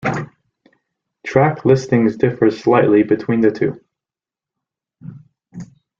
Track listings differ slightly between the two.